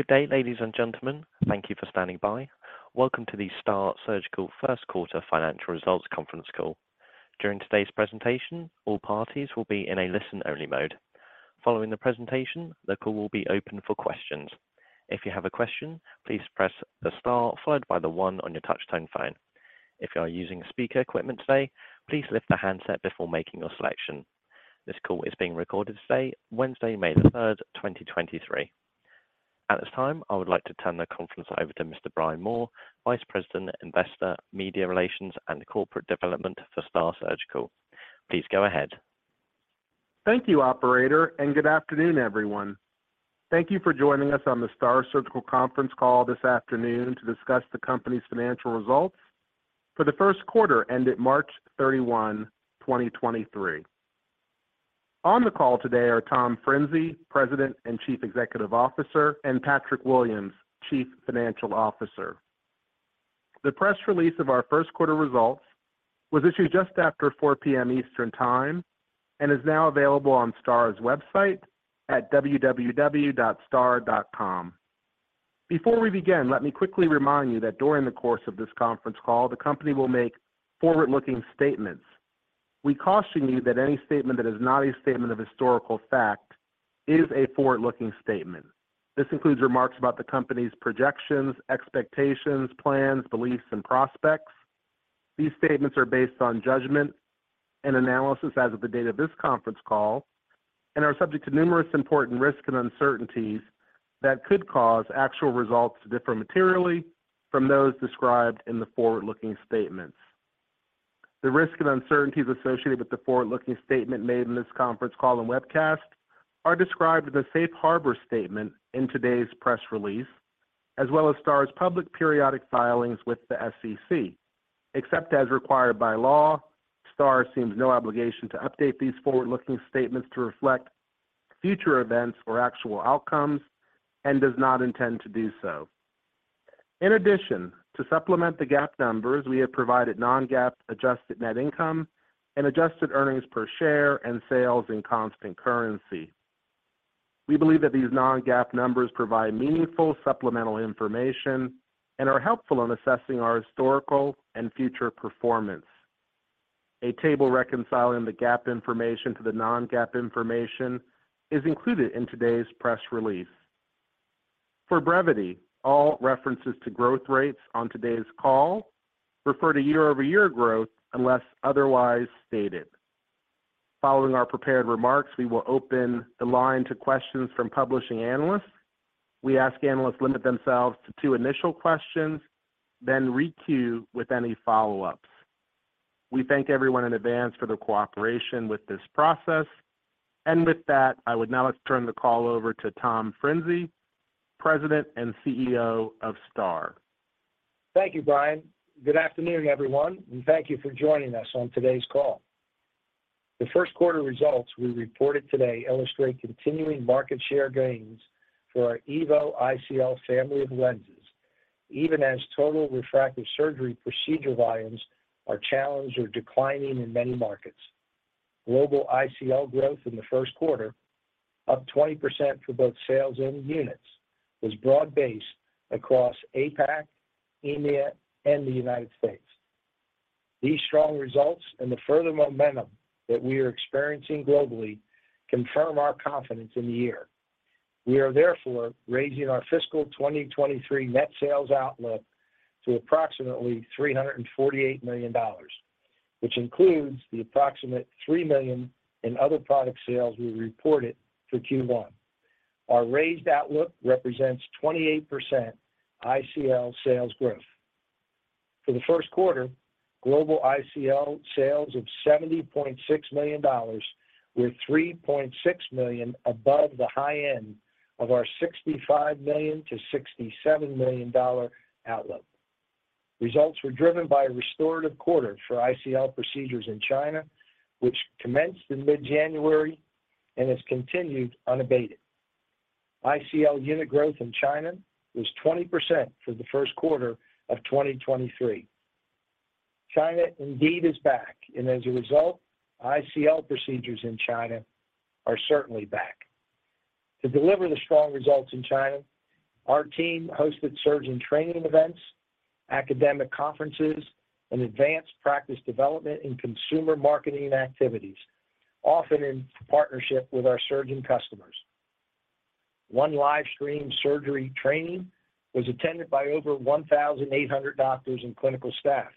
Good day, ladies and gentlemen. Thank you for standing by. Welcome to the STAAR Surgical First Quarter Financial Results conference call. During today's presentation, all parties will be in a listen-only mode. Following the presentation, the call will be open for questions. If you have a question, please press the star followed by the one on your touch-tone phone. If you are using speaker equipment today, please lift the handset before making your selection. This call is being recorded today, Wednesday, May 3rd, 2023. At this time, I would like to turn the conference over to Mr. Brian Moore, Vice President, Investor, Media Relations, and Corporate Development for STAAR Surgical. Please go ahead. Thank you, operator, and good afternoon, everyone. Thank you for joining us on the STAAR Surgical conference call this afternoon to discuss the company's financial results for the first quarter ended March 31, 2023. On the call today are Tom Frinzi, President and Chief Executive Officer, and Patrick Williams, Chief Financial Officer. The press release of our first quarter results was issued just after 4:00 P.M. Eastern Time and is now available on STAAR's website at www.staar.com. Before we begin, let me quickly remind you that during the course of this conference call, the company will make forward-looking statements. We caution you that any statement that is not a statement of historical fact is a forward-looking statement. This includes remarks about the company's projections, expectations, plans, beliefs, and prospects. These statements are based on judgment and analysis as of the date of this conference call and are subject to numerous important risks and uncertainties that could cause actual results to differ materially from those described in the forward-looking statements. The risks and uncertainties associated with the forward-looking statement made in this conference call and webcast are described in the safe harbor statement in today's press release, as well as STAAR's public periodic filings with the SEC. Except as required by law, STAAR assumes no obligation to update these forward-looking statements to reflect future events or actual outcomes and does not intend to do so. In addition, to supplement the GAAP numbers, we have provided non-GAAP adjusted net income and adjusted earnings per share and sales in constant currency. We believe that these non-GAAP numbers provide meaningful supplemental information and are helpful in assessing our historical and future performance. A table reconciling the GAAP information to the non-GAAP information is included in today's press release. For brevity, all references to growth rates on today's call refer to year-over-year growth unless otherwise stated. Following our prepared remarks, we will open the line to questions from publishing analysts. We ask analysts limit themselves to two initial questions, then re-queue with any follow-ups. We thank everyone in advance for their cooperation with this process. With that, I would now like to turn the call over to Tom Frinzi, President and CEO of STAAR. Thank you, Brian. Good afternoon, everyone, and thank you for joining us on today's call. The first quarter results we reported today illustrate continuing market share gains for our EVO ICL family of lenses, even as total refractive surgery procedure volumes are challenged or declining in many markets. Global ICL growth in the first quarter, up 20% for both sales and units, was broad-based across APAC, EMEA, and the United States. These strong results and the further momentum that we are experiencing globally confirm our confidence in the year. We are therefore raising our fiscal 2023 net sales outlook to approximately $348 million, which includes the approximate $3 million in other product sales we reported for Q1. Our raised outlook represents 28% ICL sales growth. For the first quarter, global ICL sales of $70.6 million were $3.6 million above the high end of our $65 million-$67 million outlook. Results were driven by a restorative quarter for ICL procedures in China, which commenced in mid-January and has continued unabated. ICL unit growth in China was 20% for the first quarter of 2023. China indeed is back, and as a result, ICL procedures in China are certainly back. To deliver the strong results in China, our team hosted surgeon training events, academic conferences, and advanced practice development and consumer marketing activities, often in partnership with our surgeon customers. One live stream surgery training was attended by over 1,800 doctors and clinical staff.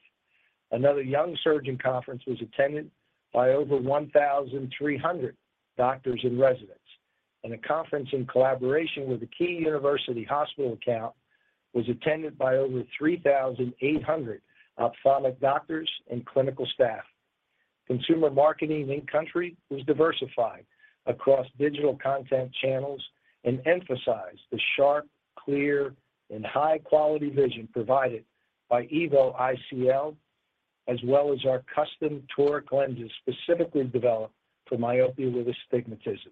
Another young surgeon conference was attended by over 1,300 doctors and residents. A conference in collaboration with a key university hospital account was attended by over 3,800 ophthalmic doctors and clinical staff. Consumer marketing in-country was diversified across digital content channels and emphasized the sharp, clear, and high-quality vision provided by EVO ICL, as well as our custom toric lenses specifically developed for myopia with astigmatism.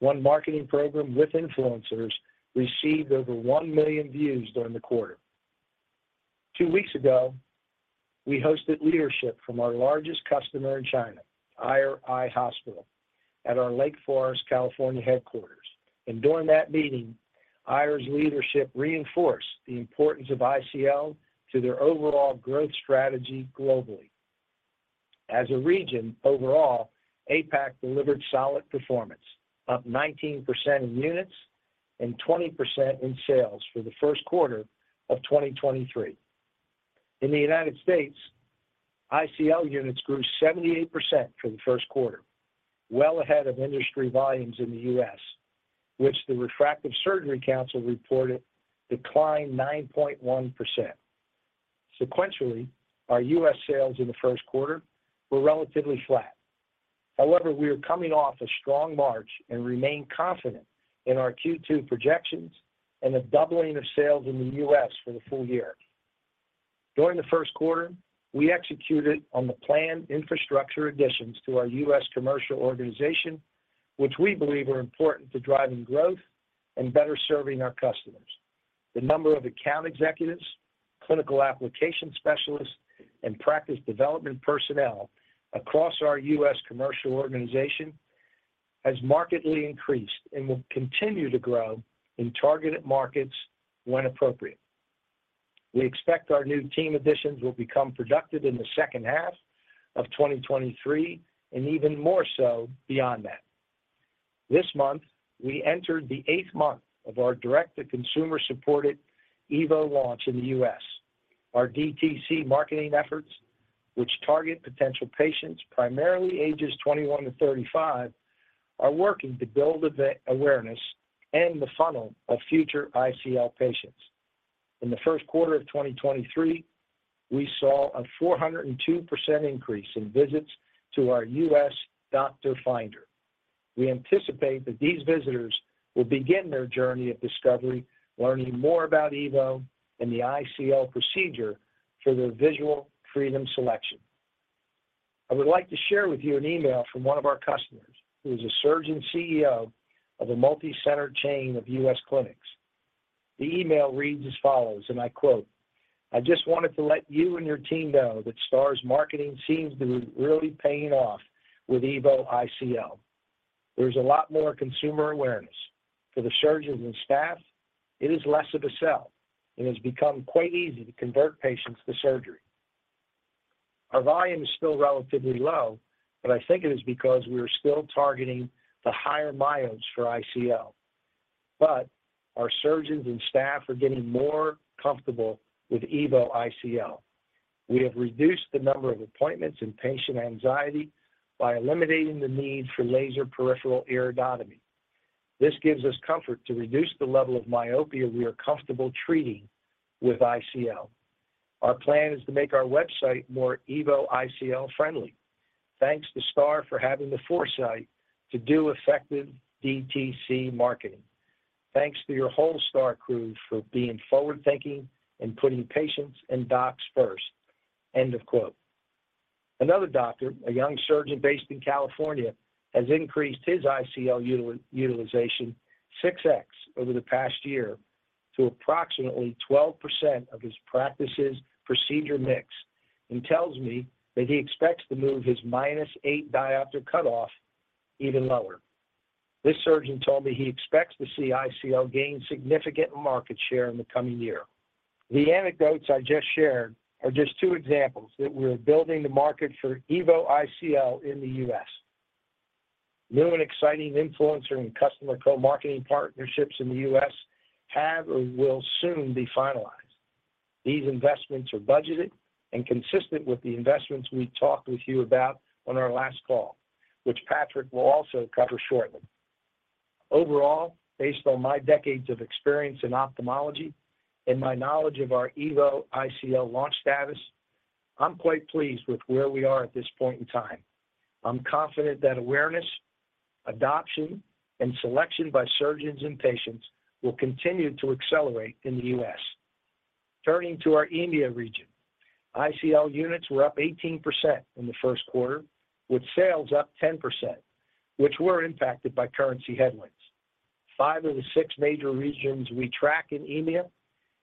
One marketing program with influencers received over 1 million views during the quarter. Two weeks ago, we hosted leadership from our largest customer in China, Aier Eye Hospital, at our Lake Forest, California, headquarters. During that meeting, Aier's leadership reinforced the importance of ICL to their overall growth strategy globally. As a region overall, APAC delivered solid performance, up 19% in units and 20% in sales for the first quarter of 2023. In the United States, ICL units grew 78% for the first quarter, well ahead of industry volumes in the U.S., which the Refractive Surgery Council reported declined 9.1%. Sequentially, our U.S. sales in the first quarter were relatively flat. However, we are coming off a strong March and remain confident in our Q2 projections and the doubling of sales in the U.S. for the full year. During the first quarter, we executed on the planned infrastructure additions to our U.S. commercial organization, which we believe are important to driving growth and better serving our customers. The number of account executives, clinical application specialists, and practice development personnel across our U.S. commercial organization has markedly increased and will continue to grow in targeted markets when appropriate. We expect our new team additions will become productive in the second half of 2023 and even more so beyond that. This month, we entered the eighth month of our direct-to-consumer-supported EVO launch in the U.S. Our DTC marketing efforts, which target potential patients primarily ages 21-35, are working to build awareness and the funnel of future ICL patients. In the first quarter of 2023, we saw a 402% increase in visits to our U.S. Doc Finder. We anticipate that these visitors will begin their journey of discovery, learning more about EVO and the ICL procedure for their Visual Freedom selection. I would like to share with you an email from one of our customers, who is a Surgeon CEO of a multi-centered chain of U.S. clinics. The email reads as follows, and I quote, "I just wanted to let you and your team know that STAAR's marketing seems to be really paying off with EVO ICL. There's a lot more consumer awareness. For the surgeons and staff, it is less of a sell, and it's become quite easy to convert patients to surgery. Our volume is still relatively low, but I think it is because we are still targeting the higher myopes for ICL. Our surgeons and staff are getting more comfortable with EVO ICL. We have reduced the number of appointments and patient anxiety by eliminating the need for laser peripheral iridotomy. This gives us comfort to reduce the level of myopia we are comfortable treating with ICL. Our plan is to make our website more EVO ICL friendly. Thanks to STAAR for having the foresight to do effective DTC marketing. Thanks to your whole STAAR crew for being forward-thinking and putting patients and doctors first." End of quote. Another doctor, a young surgeon based in California, has increased his ICL utilization 6x over the past year to approximately 12% of his practice's procedure mix and tells me that he expects to move his -8 diopter cutoff even lower. This surgeon told me he expects to see ICL gain significant market share in the coming year. The anecdotes I just shared are just two examples that we're building the market for EVO ICL in the U.S. New and exciting influencer and customer co-marketing partnerships in the U.S. have or will soon be finalized. These investments are budgeted and consistent with the investments we talked with you about on our last call, which Patrick will also cover shortly. Overall, based on my decades of experience in ophthalmology and my knowledge of our EVO ICL launch status, I'm quite pleased with where we are at this point in time. I'm confident that awareness, adoption, and selection by surgeons and patients will continue to accelerate in the U.S. Turning to our EMEA region, ICL units were up 18% in the first quarter, with sales up 10%, which were impacted by currency headwinds. Five of the six major regions we track in EMEA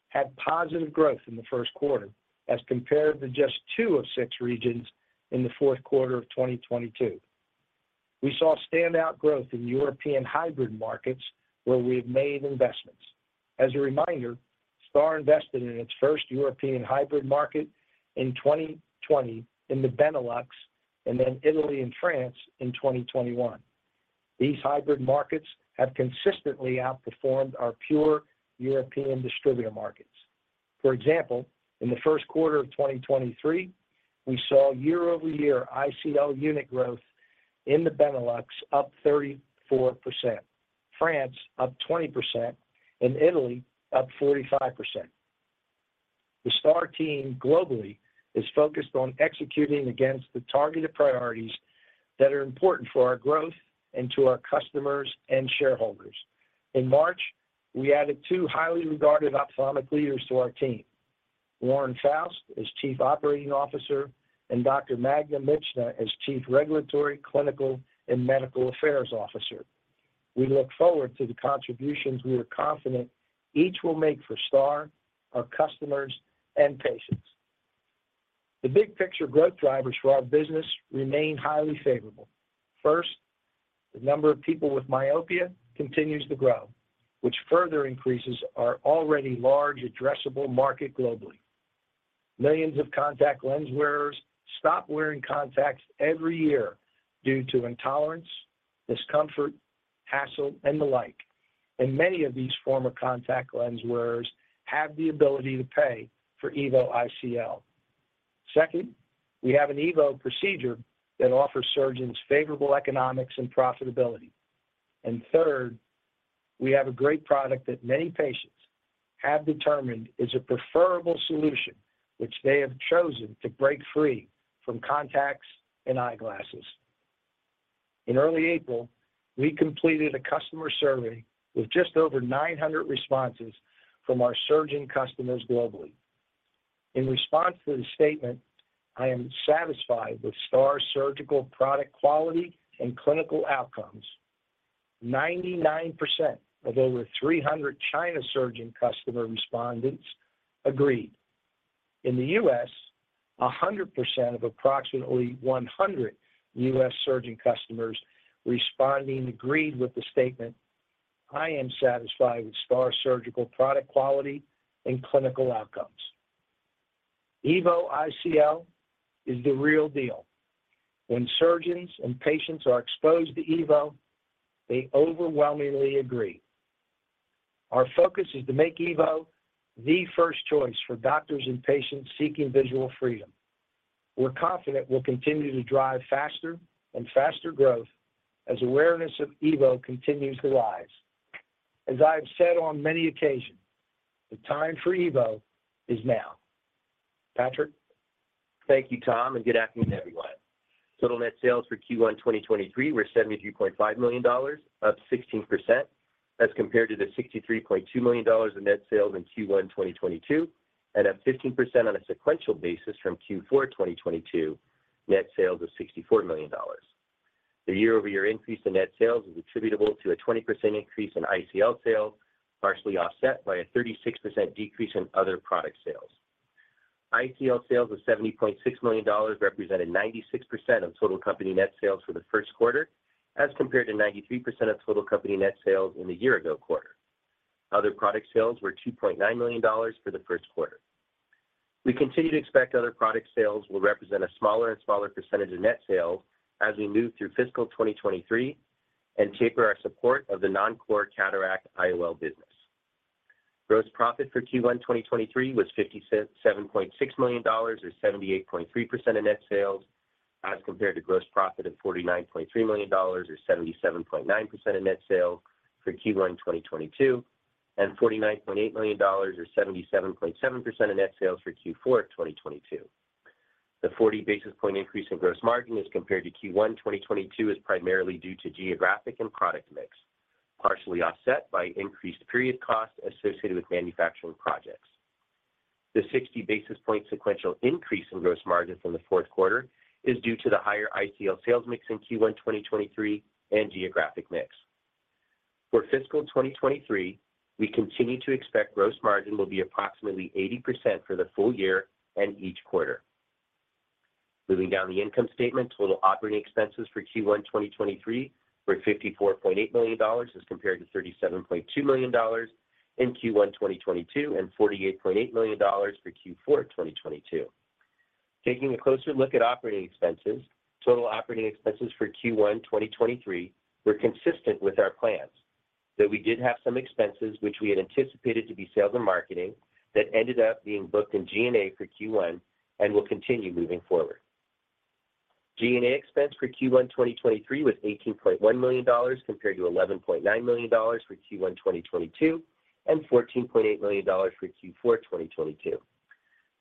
had positive growth in the first quarter as compared to just two of six regions in the fourth quarter of 2022. We saw standout growth in European hybrid markets where we have made investments. As a reminder, STAAR invested in its first European hybrid market in 2020 in the Benelux and then Italy and France in 2021. These hybrid markets have consistently outperformed our pure European distributor markets. For example, in the first quarter of 2023, we saw year-over-year ICL unit growth in the Benelux up 34%, France up 20%, and Italy up 45%. The STAAR team globally is focused on executing against the targeted priorities that are important for our growth and to our customers and shareholders. In March, we added two highly regarded ophthalmic leaders to our team, Warren Foust as Chief Operating Officer and Dr. Magda Michna as Chief Regulatory, Clinical, and Medical Affairs Officer. We look forward to the contributions we are confident each will make for STAAR, our customers, and patients. The big picture growth drivers for our business remain highly favorable. First, the number of people with myopia continues to grow, which further increases our already large addressable market globally. Millions of contact lens wearers stop wearing contacts every year due to intolerance, discomfort, hassle, and the like. Many of these former contact lens wearers have the ability to pay for EVO ICL. Second, we have an EVO procedure that offers surgeons favorable economics and profitability. Third, we have a great product that many patients have determined is a preferable solution which they have chosen to break free from contacts and eyeglasses. In early April, we completed a customer survey with just over 900 responses from our surgeon customers globally. In response to the statement, "I am satisfied with STAAR's surgical product quality and clinical outcomes," 99% of over 300 China surgeon customer respondents agreed. In the U.S., 100% of approximately 100 U.S. surgeon customers responding agreed with the statement, "I am satisfied with STAAR's surgical product quality and clinical outcomes." EVO ICL is the real deal. When surgeons and patients are exposed to EVO, they overwhelmingly agree. Our focus is to make EVO the first choice for doctors and patients seeking Visual Freedom. We're confident we'll continue to drive faster and faster growth as awareness of EVO continues to rise. As I have said on many occasions, the time for EVO is now. Patrick. Thank you, Tom. Good afternoon, everyone. Total net sales for Q1 2023 were $73.5 million, up 16% as compared to the $63.2 million in net sales in Q1 2022 and up 15% on a sequential basis from Q4 2022 net sales of $64 million. The year-over-year increase in net sales is attributable to a 20% increase in ICL sales, partially offset by a 36% decrease in other product sales. ICL sales of $70.6 million represented 96% of total company net sales for the first quarter as compared to 93% of total company net sales in the year-ago quarter. Other product sales were $2.9 million for the first quarter. We continue to expect other product sales will represent a smaller and smaller percentage of net sales as we move through fiscal 2023 and taper our support of the non-core cataract IOL business. Gross profit for Q1 2023 was $57.6 million, or 78.3% of net sales, as compared to gross profit of $49.3 million or 77.9% of net sales for Q1 2022 and $49.8 million or 77.7% of net sales for Q4 2022. The 40 basis point increase in gross margin as compared to Q1 2022 is primarily due to geographic and product mix, partially offset by increased period costs associated with manufacturing projects. The 60 basis point sequential increase in gross margin from the fourth quarter is due to the higher ICL sales mix in Q1 2023 and geographic mix. For fiscal 2023, we continue to expect gross margin will be approximately 80% for the full year and each quarter. Moving down the income statement, total operating expenses for Q1 2023 were $54.8 million as compared to $37.2 million in Q1 2022 and $48.8 million for Q4 2022. Taking a closer look at operating expenses, total operating expenses for Q1 2023 were consistent with our plans, though we did have some expenses which we had anticipated to be sales and marketing that ended up being booked in G&A for Q1 and will continue moving forward. G&A expense for Q1 2023 was $18.1 million compared to $11.9 million for Q1 2022 and $14.8 million for Q4 2022.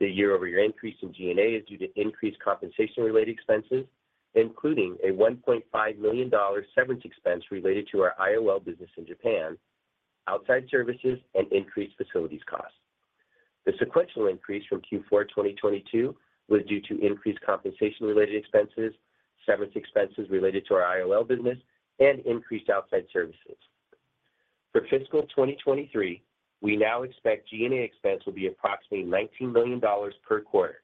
The year-over-year increase in G&A is due to increased compensation-related expenses, including a $1.5 million severance expense related to our IOL business in Japan, outside services, and increased facilities costs. The sequential increase from Q4 2022 was due to increased compensation-related expenses, severance expenses related to our IOL business, and increased outside services. For fiscal 2023, we now expect G&A expense will be approximately $19 million per quarter.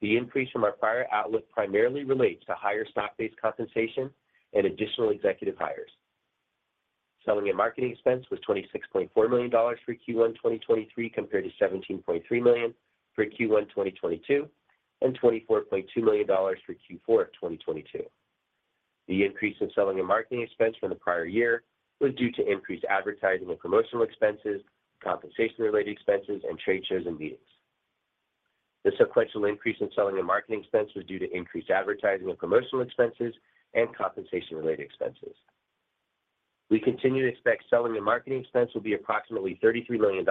The increase from our prior outlook primarily relates to higher stock-based compensation and additional executive hires. Selling and marketing expense was $26.4 million for Q1 2023 compared to $17.3 million for Q1 2022 and $24.2 million for Q4 2022. The increase in selling and marketing expense from the prior year was due to increased advertising and promotional expenses, compensation-related expenses, and trade shows and meetings. The sequential increase in selling and marketing expense was due to increased advertising and promotional expenses and compensation-related expenses. We continue to expect selling and marketing expense will be approximately $33 million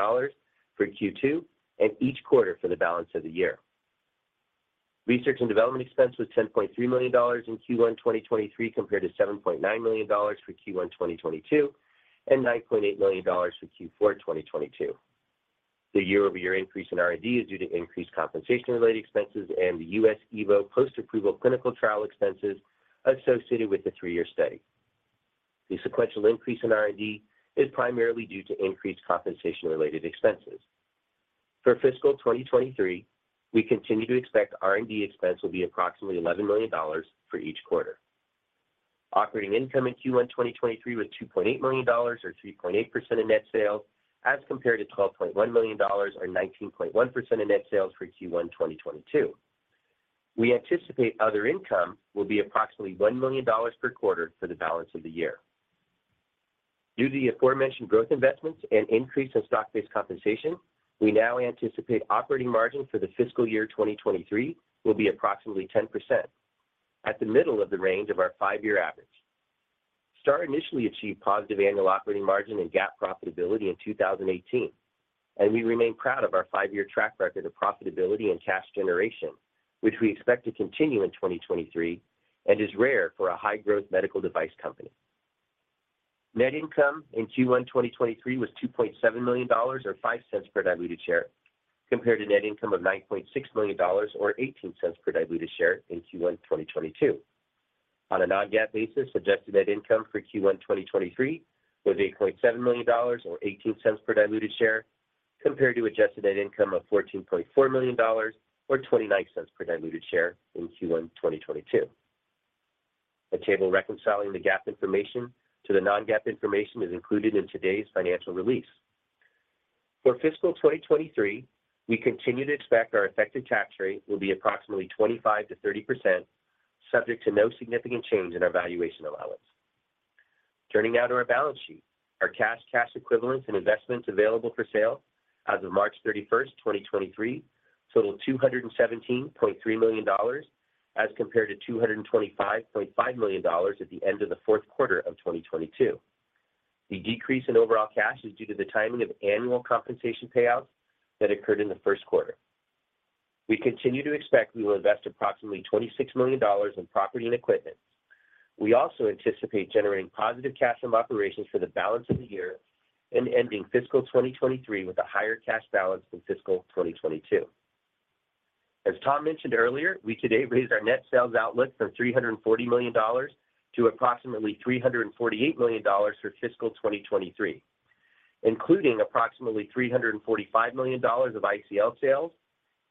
for Q2 and each quarter for the balance of the year. Research and development expense was $10.3 million in Q1 2023 compared to $7.9 million for Q1 2022 and $9.8 million for Q4 2022. The year-over-year increase in R&D is due to increased compensation-related expenses and the U.S. EVO post-approval clinical trial expenses associated with the three-year study. The sequential increase in R&D is primarily due to increased compensation-related expenses. For fiscal 2023, we continue to expect R&D expense will be approximately $11 million for each quarter. Operating income in Q1 2023 was $2.8 million or 3.8% of net sales, as compared to $12.1 million or 19.1% of net sales for Q1 2022. We anticipate other income will be approximately $1 million per quarter for the balance of the year. Due to the aforementioned growth investments and increase in stock-based compensation, we now anticipate operating margin for the fiscal year 2023 will be approximately 10% at the middle of the range of our five-year average. STAAR initially achieved positive annual operating margin and GAAP profitability in 2018, and we remain proud of our five-year track record of profitability and cash generation, which we expect to continue in 2023 and is rare for a high-growth medical device company. Net income in Q1 2023 was $2.7 million or $0.05 per diluted share, compared to net income of $9.6 million or $0.18 per diluted share in Q1 2022. On a non-GAAP basis, adjusted net income for Q1 2023 was $8.7 million or $0.18 per diluted share, compared to adjusted net income of $14.4 million or $0.29 per diluted share in Q1 2022. A table reconciling the GAAP information to the non-GAAP information is included in today's financial release. For fiscal 2023, we continue to expect our effective tax rate will be approximately 25%-30%, subject to no significant change in our valuation allowance. Turning now to our balance sheet. Our cash equivalents, and investments available for sale as of March 31st, 2023 totaled $217.3 million as compared to $225.5 million at the end of the fourth quarter of 2022. The decrease in overall cash is due to the timing of annual compensation payouts that occurred in the first quarter. We continue to expect we will invest approximately $26 million in property and equipment. We also anticipate generating positive cash from operations for the balance of the year and ending fiscal 2023 with a higher cash balance than fiscal 2022. As Tom mentioned earlier, we today raised our net sales outlook from $340 million to approximately $348 million for fiscal 2023, including approximately $345 million of ICL sales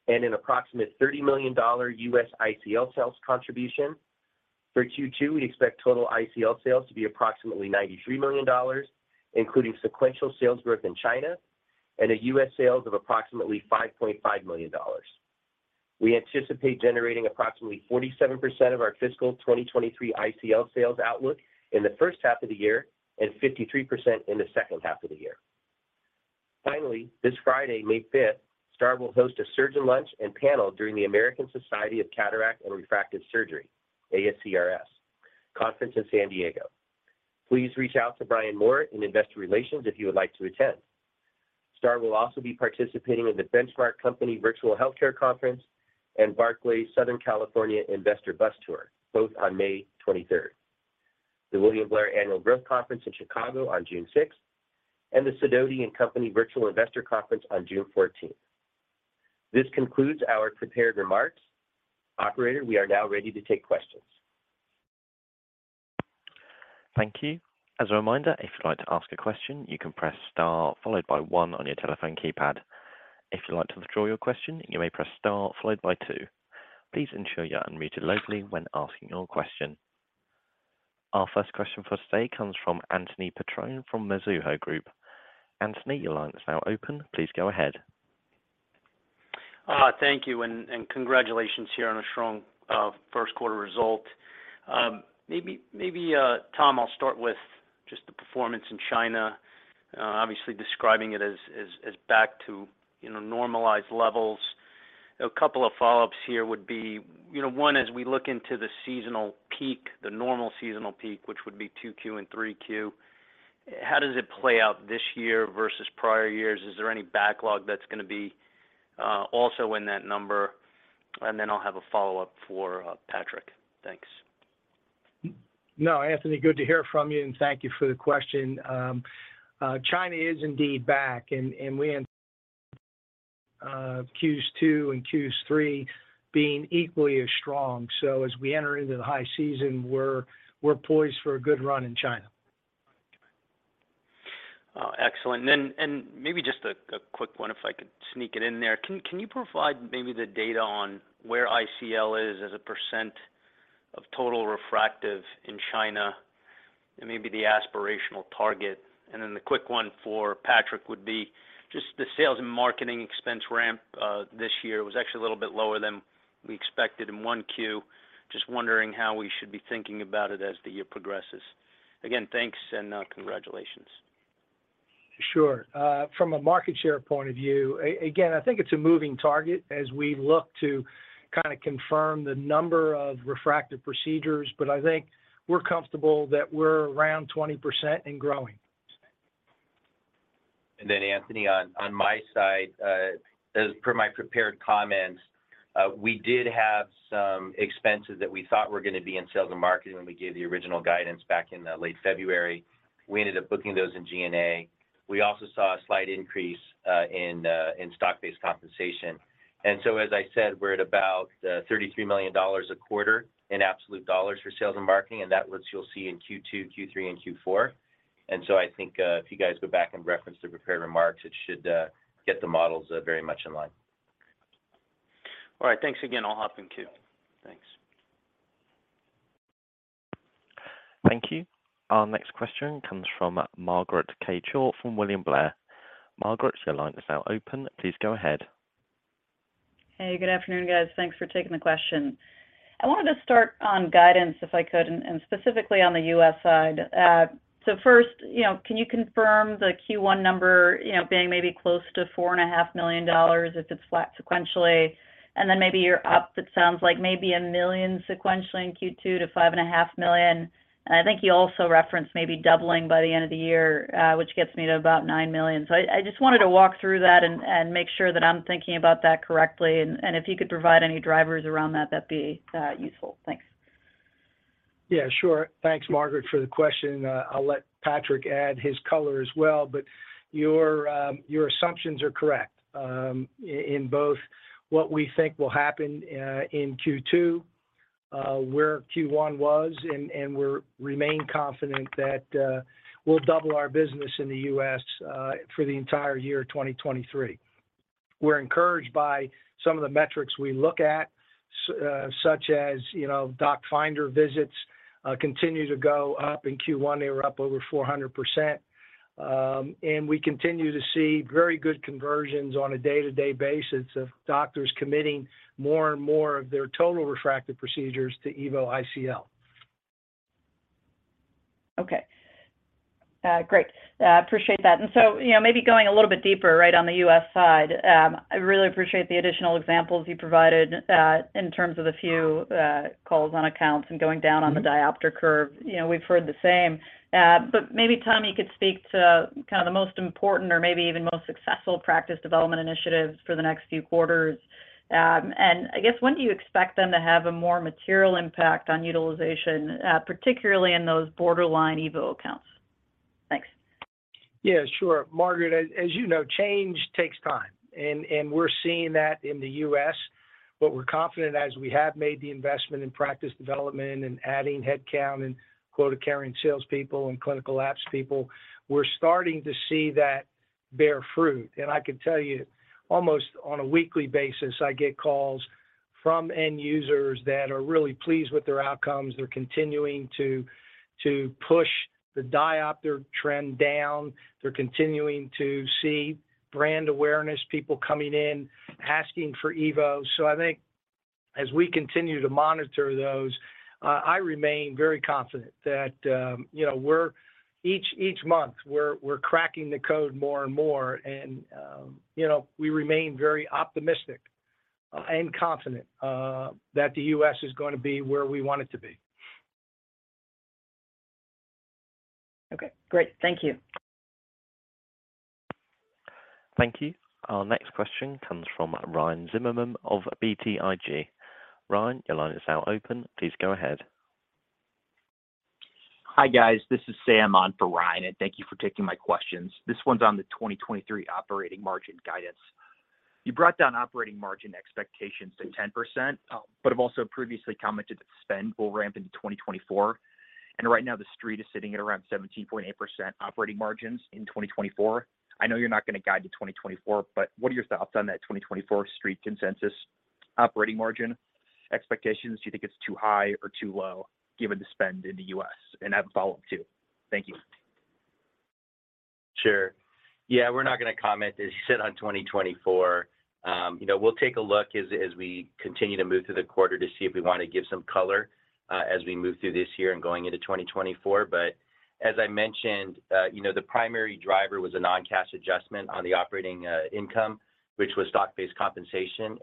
and an approximate $30 million U.S. ICL sales contribution. For Q2, we expect total ICL sales to be approximately $93 million, including sequential sales growth in China and a U.S. sales of approximately $5.5 million. We anticipate generating approximately 47% of our fiscal 2023 ICL sales outlook in the first half of the year and 53% in the second half of the year. Finally, this Friday, May 5th, STAAR will host a surgeon lunch and panel during the American Society of Cataract and Refractive Surgery, ASCRS, conference in San Diego. Please reach out to Brian Moore in Investor Relations if you would like to attend. STAAR will also be participating in The Benchmark Company Virtual Healthcare Conference and Barclays Southern California Investor Bus Tours, both on May 23rd, the William Blair Annual Growth Conference in Chicago on June 6th, and the Sidoti & Company Virtual Investor Conference on June 14th. This concludes our prepared remarks. Operator, we are now ready to take questions. Thank you. As a reminder, if you'd like to ask a question, you can press star followed by one on your telephone keypad. If you'd like to withdraw your question, you may press star followed by two. Please ensure you're unmuted locally when asking your question. Our first question for today comes from Anthony Petrone from Mizuho Group. Anthony, your line is now open. Please go ahead. Thank you, and congratulations here on a strong first quarter result. Maybe, Tom, I'll start with just the performance in China, obviously describing it as back to, you know, normalized levels. A couple of follow-ups here would be, you know, one, as we look into the seasonal peak, the normal seasonal peak, which would be 2Q and 3Q, how does it play out this year versus prior years? Is there any backlog that's gonna be also in that number? I'll have a follow-up for Patrick. Thanks. No, Anthony, good to hear from you, and thank you for the question. China is indeed back, and we anticipate Q2 and Q3 being equally as strong. As we enter into the high season, we're poised for a good run in China. Excellent. Maybe just a quick one if I could sneak it in there. Can you provide maybe the data on where ICL is as a percent of total refractive in China and maybe the aspirational target? The quick one for Patrick would be just the sales and marketing expense ramp this year was actually a little bit lower than we expected in 1Q. Just wondering how we should be thinking about it as the year progresses. Again, thanks and congratulations. Sure. From a market share point of view, again, I think it's a moving target as we look to kind of confirm the number of refractive procedures, but I think we're comfortable that we're around 20% and growing. Anthony, on my side, as per my prepared comments. We did have some expenses that we thought were going to be in sales and marketing when we gave the original guidance back in late February. We ended up booking those in G&A. We also saw a slight increase in stock-based compensation. As I said, we're at about $33 million a quarter in absolute dollars for sales and marketing, and that was. You'll see in Q2, Q3, and Q4. I think, if you guys go back and reference the prepared remarks, it should get the models very much in line. All right. Thanks again. I'll hop in queue. Thanks. Thank you. Our next question comes from Margaret Kaczor from William Blair. Margaret, your line is now open. Please go ahead. Hey, good afternoon, guys. Thanks for taking the question. I wanted to start on guidance, if I could, specifically on the U.S. side. First, you know, can you confirm the Q1 number, you know, being maybe close to $4.5 million if it's flat sequentially, and then maybe you're up, it sounds like maybe $1 million sequentially in Q2 to $5.5 million. I think you also referenced maybe doubling by the end of the year, which gets me to about $9 million. I just wanted to walk through that and make sure that I'm thinking about that correctly. And if you could provide any drivers around that'd be useful. Thanks. Yeah, sure. Thanks, Margaret, for the question. I'll let Patrick add his color as well, but your assumptions are correct in both what we think will happen in Q2, where Q1 was, and we're remain confident that we'll double our business in the U.S. for the entire year, 2023. We're encouraged by some of the metrics we look at such as, you know, Doc Finder visits continue to go up. In Q1, they were up over 400%. We continue to see very good conversions on a day-to-day basis of doctors committing more and more of their total refractive procedures to EVO ICL. Great. Appreciate that. You know, maybe going a little bit deeper right on the U.S. side, I really appreciate the additional examples you provided in terms of the few calls on accounts and going down on the diopter curve. You know, we've heard the same. Maybe, Tom, you could speak to kind of the most important or maybe even most successful practice development initiatives for the next few quarters. I guess when do you expect them to have a more material impact on utilization, particularly in those borderline EVO accounts? Thanks. Yeah, sure. Margaret, as you know, change takes time, and we're seeing that in the U.S. We're confident as we have made the investment in practice development and adding headcount and quota-carrying salespeople and clinical apps people. We're starting to see that bear fruit. I can tell you almost on a weekly basis, I get calls from end users that are really pleased with their outcomes. They're continuing to push the diopter trend down. They're continuing to see brand awareness, people coming in, asking for EVO. I think as we continue to monitor those, I remain very confident that, you know, each month, we're cracking the code more and more and, you know, we remain very optimistic and confident that the U.S. is gonna be where we want it to be. Okay, great. Thank you. Thank you. Our next question comes from Ryan Zimmerman of BTIG. Ryan, your line is now open. Please go ahead. Hi, guys. This is Sam on for Ryan, thank you for taking my questions. This one's on the 2023 operating margin guidance. You brought down operating margin expectations to 10%, but have also previously commented that spend will ramp into 2024. Right now, the street is sitting at around 17.8% operating margins in 2024. I know you're not going to guide to 2024, but what are your thoughts on that 2024 street consensus operating margin expectations? Do you think it's too high or too low given the spend in the U.S.? I have a follow-up, too. Thank you. Sure. Yeah, we're not going to comment as you said on 2024. You know, we'll take a look as we continue to move through the quarter to see if we want to give some color, as we move through this year and going into 2024. As I mentioned, you know, the primary driver was a non-cash adjustment on the operating income, which was stock-based compensation.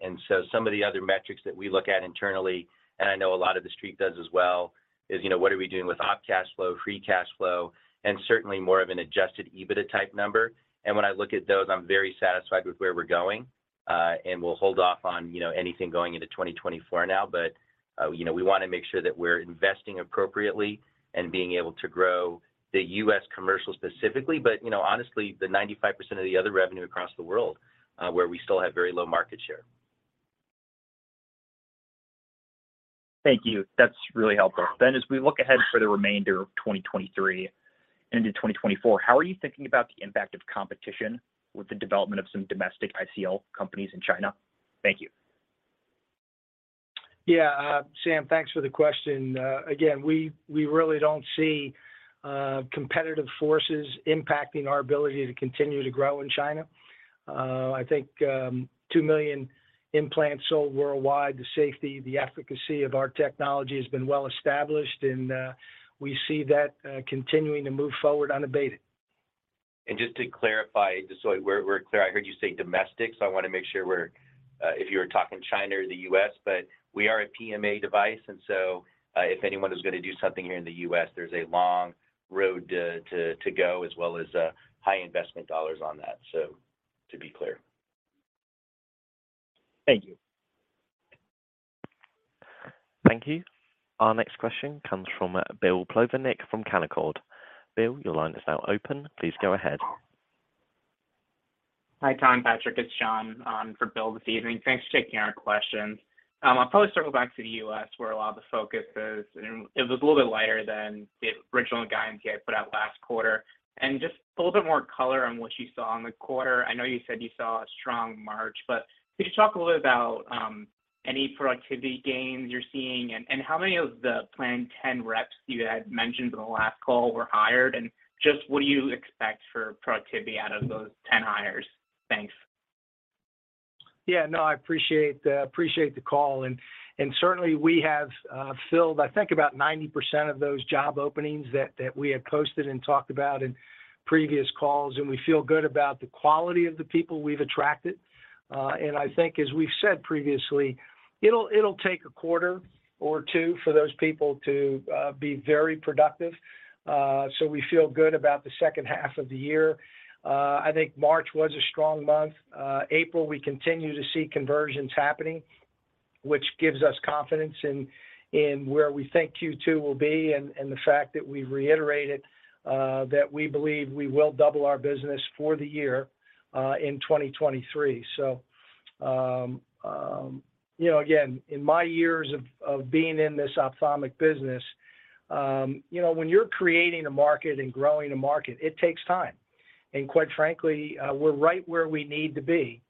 Some of the other metrics that we look at internally, and I know a lot of the street does as well, is, you know, what are we doing with op cash flow, free cash flow, and certainly more of an adjusted EBITDA type number. When I look at those, I'm very satisfied with where we're going, and we'll hold off on, you know, anything going into 2024 now. You know, we want to make sure that we're investing appropriately and being able to grow the U.S. commercial specifically, but you know, honestly, the 95% of the other revenue across the world, where we still have very low market share. Thank you. That's really helpful. As we look ahead for the remainder of 2023 into 2024, how are you thinking about the impact of competition with the development of some domestic ICL companies in China? Thank you. Yeah. Sam, thanks for the question. Again, we really don't see competitive forces impacting our ability to continue to grow in China. I think 2 million implants sold worldwide. The safety, the efficacy of our technology has been well established, and we see that continuing to move forward unabated. Just to clarify, just so we're clear, I heard you say domestic, so I want to make sure we're if you were talking China or the U.S. We are a PMA device. If anyone is gonna do something here in the U.S., there's a long road to go as well as high investment dollars on that. Thank you. Thank you. Our next question comes from Bill Plovanic from Canaccord. Bill, your line is now open. Please go ahead. Hi, Tom, Patrick, it's John on for Bill this evening. Thanks for taking our questions. I'll probably circle back to the U.S. where a lot of the focus is, it was a little bit lighter than the original guidance you had put out last quarter. Just a little bit more color on what you saw in the quarter. I know you said you saw a strong March, but could you talk a little bit about any productivity gains you're seeing and how many of the planned 10 reps you had mentioned in the last call were hired, and just what do you expect for productivity out of those 10 hires? Thanks. Yeah, no, I appreciate the call. Certainly we have filled, I think about 90% of those job openings that we had posted and talked about in previous calls, we feel good about the quality of the people we've attracted. I think as we've said previously, it'll take a quarter or two for those people to be very productive. We feel good about the second half of the year. I think March was a strong month. April, we continue to see conversions happening, which gives us confidence in where we think Q2 will be and the fact that we reiterated that we believe we will double our business for the year in 2023. You know, again, in my years of being in this ophthalmic business, you know, when you're creating a market and growing a market, it takes time. Quite frankly, we're right where we need to be.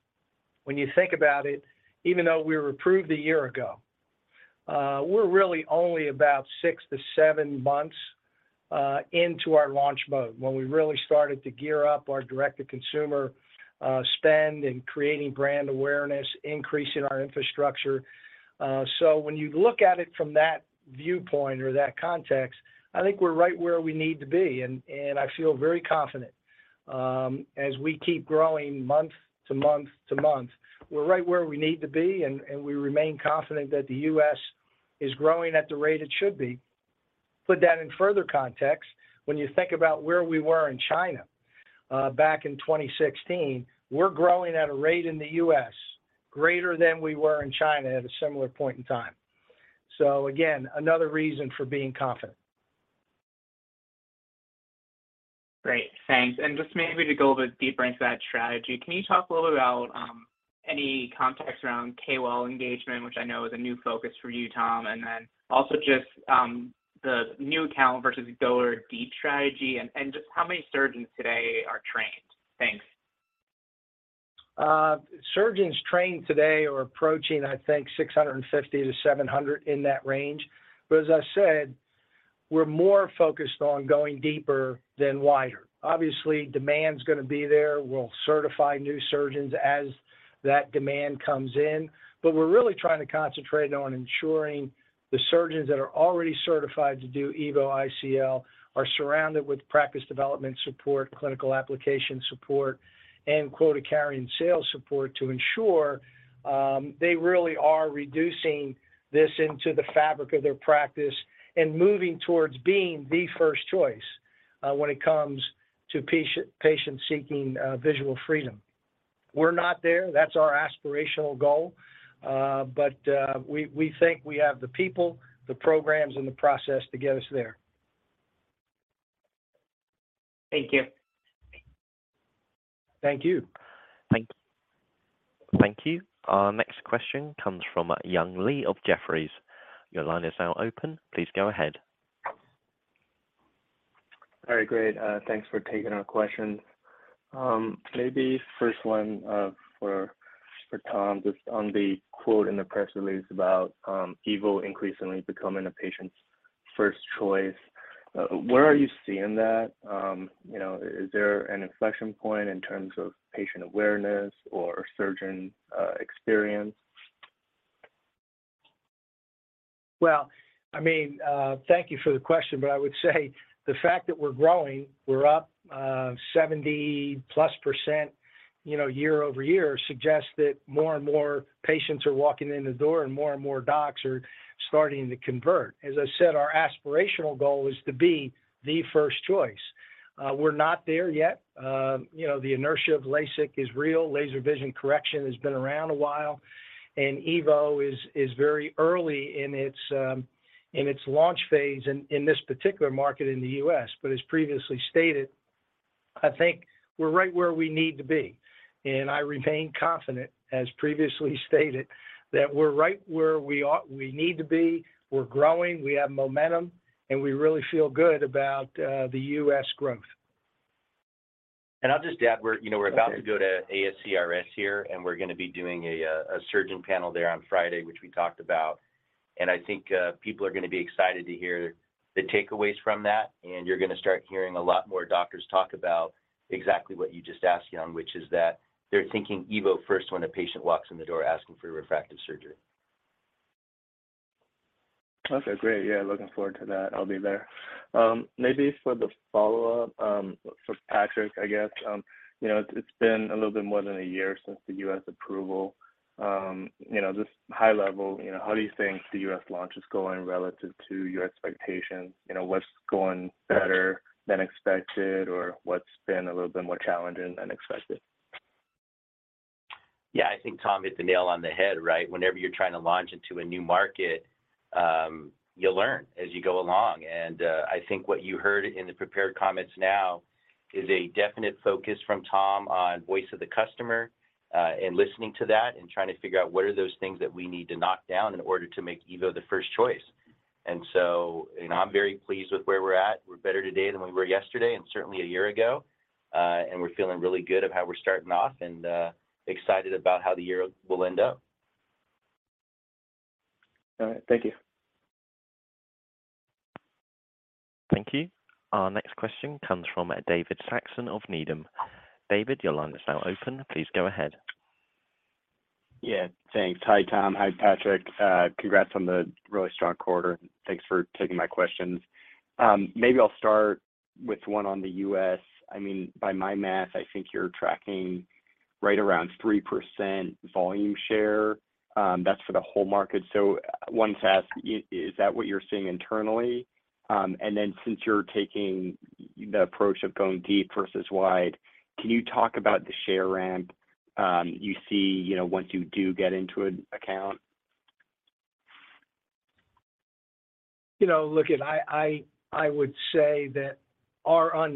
When you think about it, even though we were approved a year ago, we're really only about six to seven months into our launch mode when we really started to gear up our direct-to-consumer spend and creating brand awareness, increasing our infrastructure. When you look at it from that viewpoint or that context, I think we're right where we need to be. I feel very confident as we keep growing month to month to month. We're right where we need to be and we remain confident that the U.S. is growing at the rate it should be. Put that in further context, when you think about where we were in China, back in 2016, we're growing at a rate in the U.S. greater than we were in China at a similar point in time. Again, another reason for being confident. Great. Thanks. Just maybe to go a bit deeper into that strategy, can you talk a little bit about any context around KOL engagement, which I know is a new focus for you, Tom, and then also just the new account versus go or deep strategy and just how many surgeons today are trained? Thanks. Surgeons trained today are approaching, I think, 650-700 in that range. As I said, we're more focused on going deeper than wider. Obviously, demand's gonna be there. We'll certify new surgeons as that demand comes in. We're really trying to concentrate on ensuring the surgeons that are already certified to do EVO ICL are surrounded with practice development support, clinical application support, and quota-carrying sales support to ensure they really are reducing this into the fabric of their practice and moving towards being the first choice when it comes to patient seeking Visual Freedom. We're not there. That's our aspirational goal. We think we have the people, the programs and the process to get us there. Thank you. Thank you. Thank you. Thank you. Our next question comes from Young Li of Jefferies. Your line is now open. Please go ahead. All right, great. Thanks for taking our question. Maybe first one for Tom, just on the quote in the press release about EVO increasingly becoming a patient's first choice. Where are you seeing that? You know, is there an inflection point in terms of patient awareness or surgeon experience? Well, I mean, thank you for the question. I would say the fact that we're growing, we're up 70%+, you know, year-over-year suggests that more and more patients are walking in the door and more and more docs are starting to convert. As I said, our aspirational goal is to be the first choice. We're not there yet. You know, the inertia of LASIK is real. Laser Vision Correction has been around a while, EVO is very early in its launch phase in this particular market in the U.S. As previously stated, I think we're right where we need to be. I remain confident, as previously stated, that we're right where we need to be. We're growing, we have momentum, and we really feel good about the U.S. growth. I'll just add, we're, you know, we're about to go to ASCRS here, and we're gonna be doing a surgeon panel there on Friday, which we talked about. I think, people are gonna be excited to hear the takeaways from that, you're gonna start hearing a lot more doctors talk about exactly what you just asked Young, which is that they're thinking EVO first when a patient walks in the door asking for refractive surgery. Okay, great. Looking forward to that. I'll be there. Maybe for the follow-up, for Patrick, I guess. You know, it's been a little bit more than a year since the U.S. approval. You know, just high level, you know, how do you think the U.S. launch is going relative to your expectations? You know, what's going better than expected, or what's been a little bit more challenging than expected? Yeah, I think Tom hit the nail on the head, right? Whenever you're trying to launch into a new market, you learn as you go along. I think what you heard in the prepared comments now is a definite focus from Tom on voice of the customer, and listening to that and trying to figure out what are those things that we need to knock down in order to make EVO the first choice. You know, I'm very pleased with where we're at. We're better today than we were yesterday and certainly a year ago, and we're feeling really good of how we're starting off and excited about how the year will end up. All right. Thank you. Thank you. Our next question comes from David Saxon of Needham. David, your line is now open. Please go ahead. Yeah, thanks. Hi, Tom. Hi, Patrick. Congrats on the really strong quarter. Thanks for taking my questions. Maybe I'll start with one on the U.S. I mean, by my math, I think you're tracking right around 3% volume share. That's for the whole market. I want to ask, is that what you're seeing internally? Since you're taking the approach of going deep versus wide, can you talk about the share ramp you see, you know, once you do get into an account? You know, look, I would say that our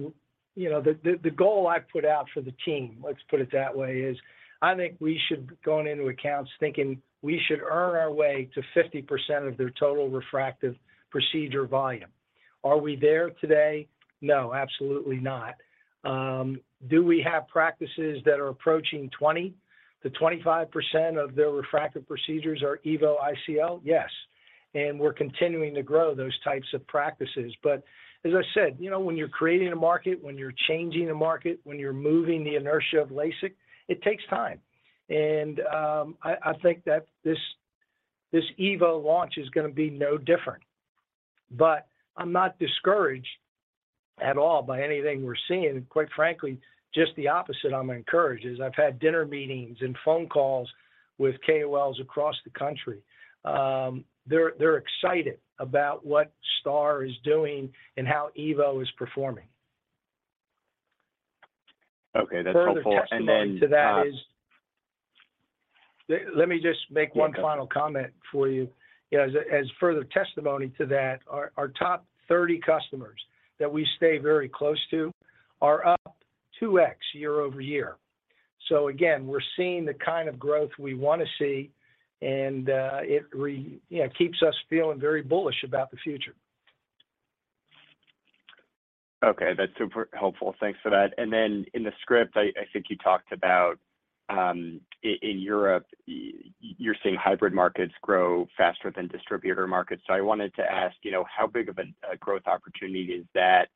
you know, the goal I put out for the team, let's put it that way, is I think we should be going into accounts thinking we should earn our way to 50% of their total refractive procedure volume. Are we there today? No, absolutely not. Do we have practices that are approaching 20%-25% of their refractive procedures are EVO ICL? Yes. We're continuing to grow those types of practices. As I said, you know, when you're creating a market, when you're changing a market, when you're moving the inertia of LASIK, it takes time. I think that this EVO launch is gonna be no different. I'm not discouraged at all by anything we're seeing. Quite frankly, just the opposite, I'm encouraged, as I've had dinner meetings and phone calls with KOLs across the country. They're excited about what STAAR is doing and how EVO is performing. Okay. That's helpful. Further testimony to that. Let me just make one final comment for you. As further testimony to that, our top 30 customers that we stay very close to are up 2x year-over-year. Again, we're seeing the kind of growth we wanna see, and it, you know, keeps us feeling very bullish about the future. Okay. That's super helpful. Thanks for that. In the script, I think you talked about in Europe, you're seeing hybrid markets grow faster than distributor markets. I wanted to ask, you know, how big of a growth opportunity is that,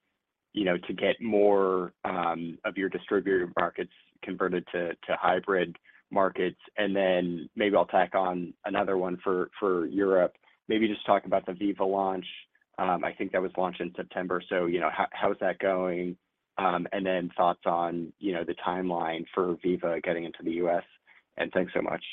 you know, to get more of your distributor markets converted to hybrid markets? Maybe I'll tack on another one for Europe. Maybe just talk about the Viva launch. I think that was launched in September, you know, how is that going? Thoughts on, you know, the timeline for Viva getting into the U.S. Thanks so much.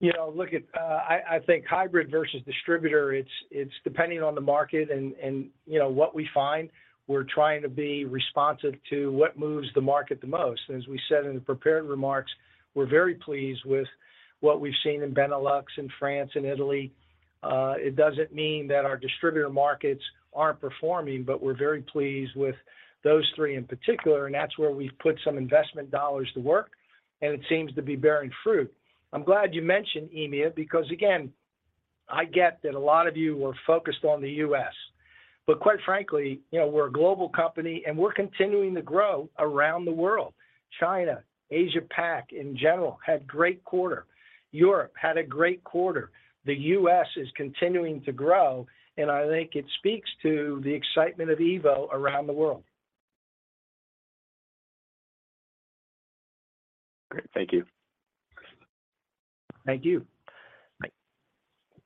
You know, look, I think hybrid versus distributor, it's depending on the market and, you know, what we find, we're trying to be responsive to what moves the market the most. As we said in the prepared remarks, we're very pleased with what we've seen in Benelux and France and Italy. It doesn't mean that our distributor markets aren't performing, but we're very pleased with those three in particular, and that's where we've put some investment dollars to work, and it seems to be bearing fruit. I'm glad you mentioned EMEA because, again, I get that a lot of you are focused on the U.S. Quite frankly, you know, we're a global company, and we're continuing to grow around the world. China, Asia-Pac in general had great quarter. Europe had a great quarter. The U.S. is continuing to grow, and I think it speaks to the excitement of EVO around the world. Great. Thank you. Thank you.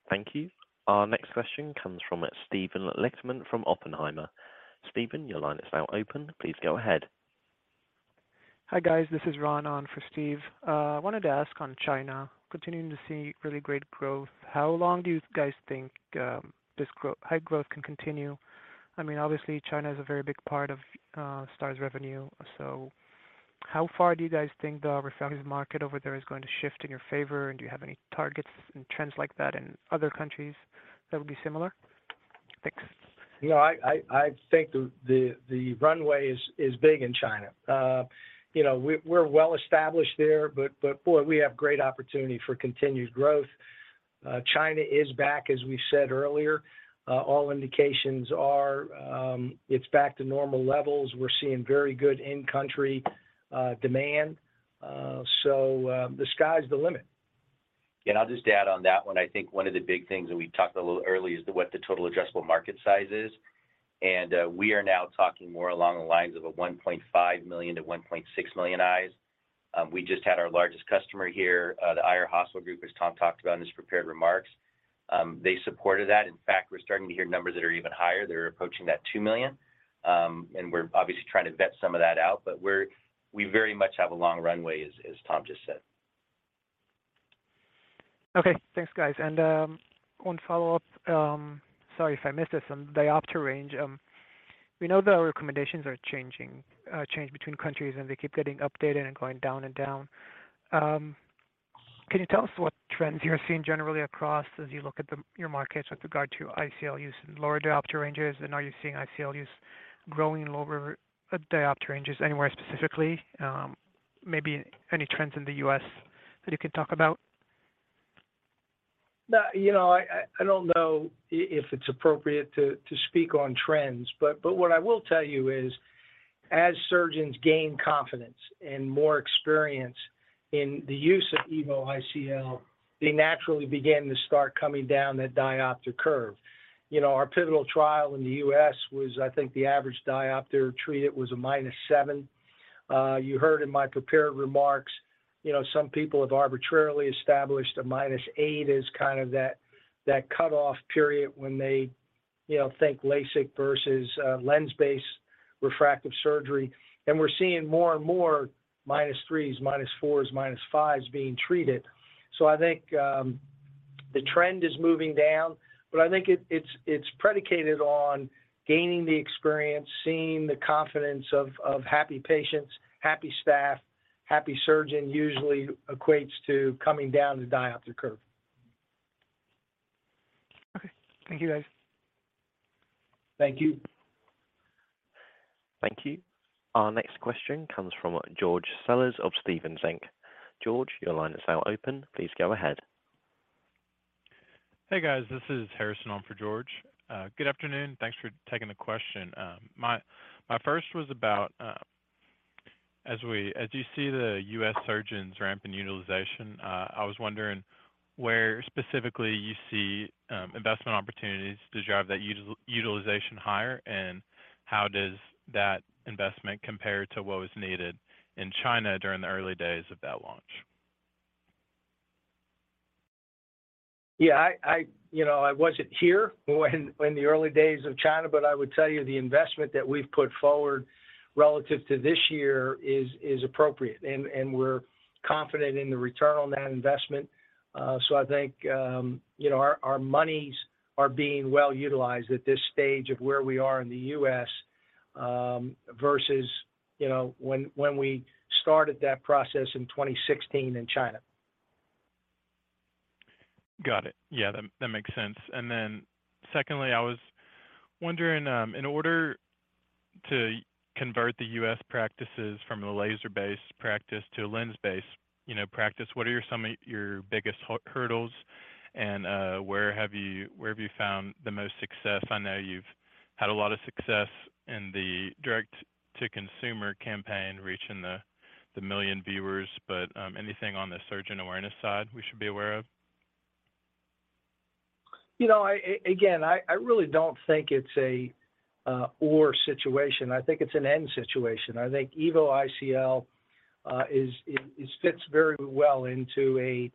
Thank you. Our next question comes from Steven Lichtman from Oppenheimer. Steven, your line is now open. Please go ahead. Hi, guys. This is Ron on for Steve. wanted to ask on China, continuing to see really great growth, how long do you guys think this high growth can continue? I mean, obviously, China is a very big part of STAAR's revenue. How far do you guys think the refractive market over there is going to shift in your favor? Do you have any targets and trends like that in other countries that would be similar? Thanks. You know, I think the runway is big in China. You know, we're well established there, but boy, we have great opportunity for continued growth. China is back, as we said earlier. All indications are, it's back to normal levels. We're seeing very good in-country demand. So, the sky's the limit. I'll just add on that one. I think one of the big things that we talked a little early is what the total adjustable market size is. We are now talking more along the lines of 1.5 million to 1.6 million eyes. We just had our largest customer here, the Aier Eye Hospital Group, as Tom talked about in his prepared remarks. They supported that. In fact, we're starting to hear numbers that are even higher. They're approaching that 2 million, and we're obviously trying to vet some of that out. We very much have a long runway, as Tom just said. Okay. Thanks, guys. One follow-up. Sorry if I missed this on diopter range. We know the recommendations are changing, change between countries, and they keep getting updated and going down and down. Can you tell us what trends you're seeing generally across as you look at your markets with regard to ICL use in lower diopter ranges, and are you seeing ICL use growing in lower diopter ranges anywhere specifically, maybe any trends in the U.S. that you could talk about? No, you know, I don't know if it's appropriate to speak on trends, but what I will tell you is as surgeons gain confidence and more experience in the use of EVO ICL, they naturally begin to start coming down that diopter curve. You know, our pivotal trial in the U.S. was, I think, the average diopter treated was a -7. You heard in my prepared remarks, you know, some people have arbitrarily established a -8 as kind of that cutoff period when they, you know, think LASIK versus lens-based refractive surgery. We're seeing more and more -3s, -4s, -5s being treated. I think, the trend is moving down, but I think it's predicated on gaining the experience, seeing the confidence of happy patients, happy staff, happy surgeon usually equates to coming down the diopter curve. Okay. Thank you, guys. Thank you. Thank you. Our next question comes from George Sellers of Stephens Inc. George, your line is now open. Please go ahead. Hey, guys. This is Harrison on for George. Good afternoon. Thanks for taking the question. My first was about, as you see the U.S. surgeons ramp in utilization, I was wondering where specifically you see investment opportunities to drive that utilization higher, and how does that investment compare to what was needed in China during the early days of that launch? Yeah, I, you know, I wasn't here when the early days of China, but I would tell you the investment that we've put forward relative to this year is appropriate, and we're confident in the return on that investment. I think, you know, our monies are being well utilized at this stage of where we are in the U.S., versus, you know, when we started that process in 2016 in China. Got it. Yeah, that makes sense. Secondly, I was wondering, in order to convert the U.S. practices from a laser-based practice to a lens-based, you know, practice, what are some of your biggest hurdles, and where have you found the most success? I know you've had a lot of success in the direct-to-consumer campaign, reaching the million viewers, but anything on the surgeon awareness side we should be aware of? You know, again, I really don't think it's a or situation. I think it's an end situation. I think EVO ICL, it fits very well into a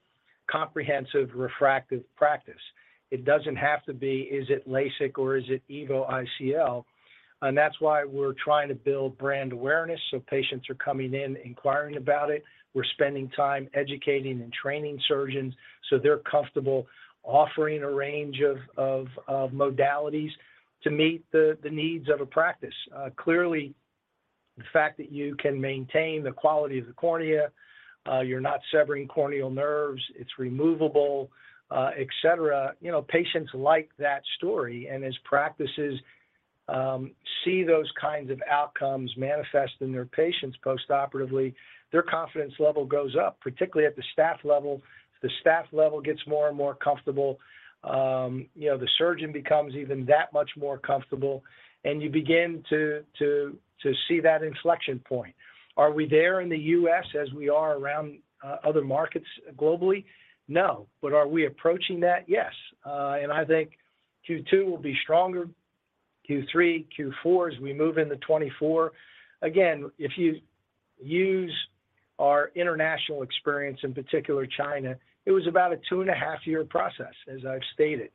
comprehensive refractive practice. It doesn't have to be, is it LASIK or is it EVO ICL? That's why we're trying to build brand awareness, so patients are coming in inquiring about it. We're spending time educating and training surgeons, so they're comfortable offering a range of modalities to meet the needs of a practice. Clearly the fact that you can maintain the quality of the cornea, you're not severing corneal nerves, it's removable, et cetera. You know, patients like that story. As practices, see those kinds of outcomes manifest in their patients post-operatively, their confidence level goes up, particularly at the staff level. The staff level gets more and more comfortable. you know, the surgeon becomes even that much more comfortable, and you begin to see that inflection point. Are we there in the U.S. as we are around other markets globally? No. Are we approaching that? Yes. And I think Q2 will be stronger, Q3, Q4 as we move into 2024. Again, if you use our international experience, in particular China, it was about a 2.5-year process, as I've stated.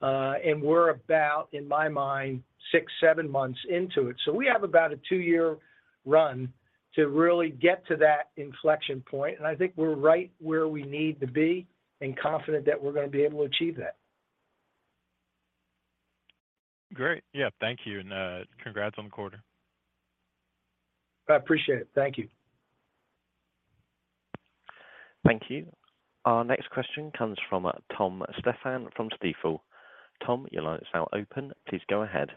And we're about, in my mind, six, seven months into it. We have about a two-year run to really get to that inflection point, and I think we're right where we need to be and confident that we're going to be able to achieve that. Great. Yeah. Thank you. Congrats on the quarter. I appreciate it. Thank you. Thank you. Our next question comes from Thomas Stephan from Stifel. Tom, your line is now open. Please go ahead.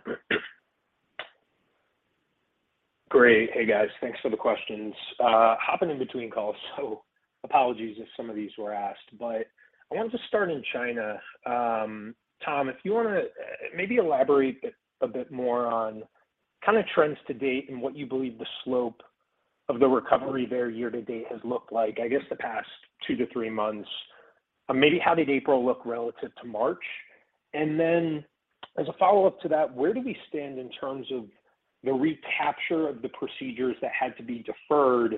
Great. Hey, guys. Thanks for the questions. hopping in between calls, so apologies if some of these were asked. I wanted to start in China. Tom, if you wanna maybe elaborate a bit more on kind of trends to date and what you believe the slope of the recovery there year to date has looked like, I guess, the past two to three months, or maybe how did April look relative to March? As a follow-up to that, where do we stand in terms of the recapture of the procedures that had to be deferred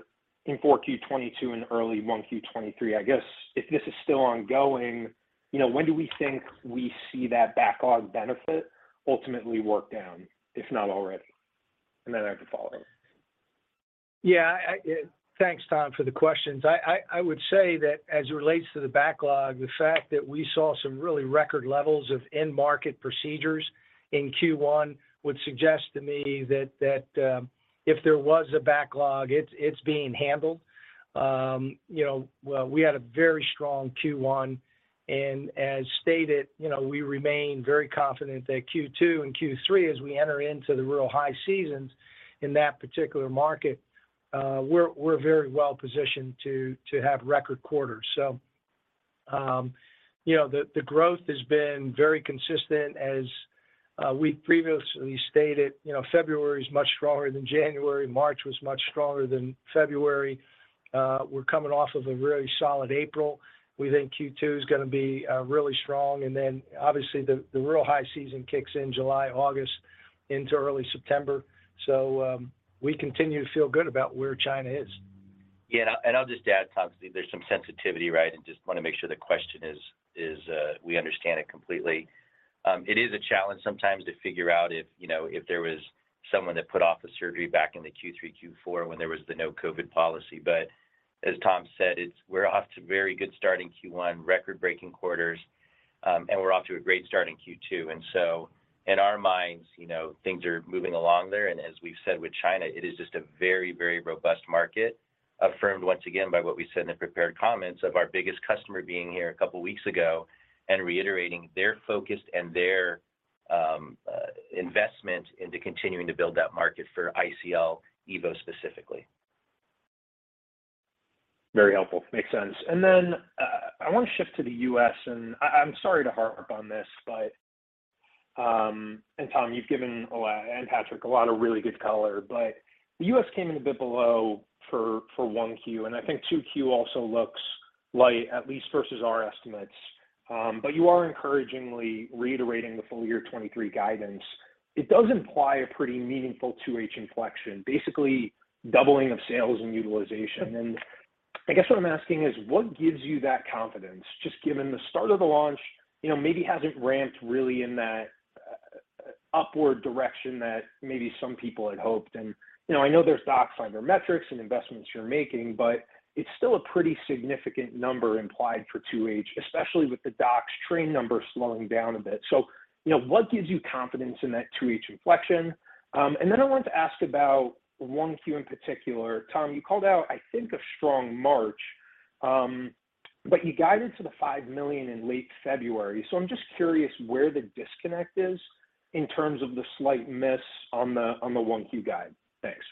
in 4Q 2022 and early 1Q 2023? I guess if this is still ongoing, you know, when do we think we see that backlog benefit ultimately work down, if not already? I have a follow-up. I, thanks Tom for the questions. I would say that as it relates to the backlog, the fact that we saw some really record levels of end market procedures in Q1 would suggest to me that, if there was a backlog, it's being handled. You know, well, we had a very strong Q1 and as stated, you know, we remain very confident that Q2 and Q3 as we enter into the real high seasons in that particular market, we're very well positioned to have record quarters. You know, the growth has been very consistent as we previously stated. You know, February is much stronger than January. March was much stronger than February. We're coming off of a really solid April. We think Q2 is gonna be really strong, and then obviously the real high season kicks in July, August, into early September. We continue to feel good about where China is. I'll just add, Tom, there's some sensitivity, right? I just want to make sure the question is we understand it completely. It is a challenge sometimes to figure out if, you know, if there was someone that put off a surgery back in the Q3, Q4 when there was the no COVID policy. As Tom said, we're off to a very good start in Q1, record-breaking quarters, and we're off to a great start in Q2. In our minds, you know, things are moving along there, and as we've said with China, it is just a very, very robust market. Affirmed once again by what we said in the prepared comments of our biggest customer being here a couple weeks ago and reiterating their focus and their investment into continuing to build that market for ICL, EVO specifically. Very helpful. Makes sense. I wanna shift to the U.S., I'm sorry to harp on this, but Tom, you've given and Patrick, a lot of really good color, but the U.S. came in a bit below for 1Q, and I think 2Q also looks light, at least versus our estimates. You are encouragingly reiterating the full year 2023 guidance. It does imply a pretty meaningful 2H inflection, basically doubling of sales and utilization. I guess what I'm asking is what gives you that confidence, just given the start of the launch, you know, maybe hasn't ramped really in that upward direction that maybe some people had hoped. You know, I know there's docs on your metrics and investments you're making, but it's still a pretty significant number implied for 2H, especially with the docs train numbers slowing down a bit. You know, what gives you confidence in that 2H inflection? I wanted to ask about 1Q in particular. Tom, you called out, I think, a strong March, but you guided to the $5 million in late February. I'm just curious where the disconnect is in terms of the slight miss on the, on the 1Q guide. Thanks.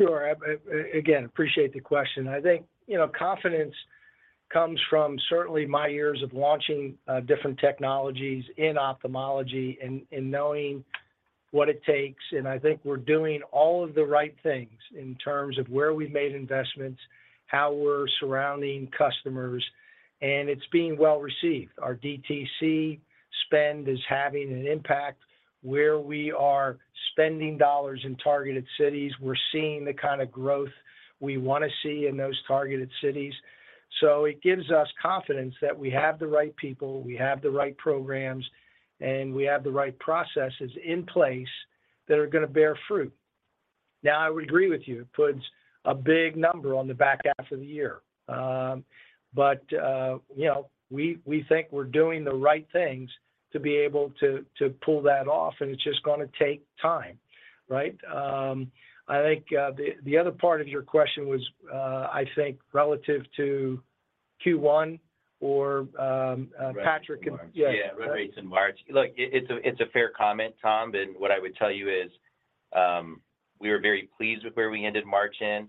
Sure. Again, appreciate the question. I think, you know, confidence comes from certainly my years of launching different technologies in ophthalmology and knowing what it takes, and I think we're doing all of the right things in terms of where we've made investments, how we're surrounding customers, and it's being well-received. Our DTC spend is having an impact. Where we are spending dollars in targeted cities, we're seeing the kind of growth we wanna see in those targeted cities. It gives us confidence that we have the right people, we have the right programs, and we have the right processes in place that are gonna bear fruit. I would agree with you, it puts a big number on the back half of the year. You know, we think we're doing the right things to be able to pull that off, and it's just gonna take time, right? I think the other part of your question was, I think relative to Q1 or Patrick- Relative to March. Yeah. Yeah, relative to March. Look, it's a, it's a fair comment, Tom, what I would tell you is, we were very pleased with where we ended March in.